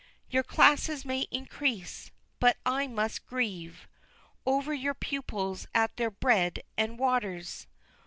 Your classes may increase, but I must grieve Over your pupils at their bread and waters!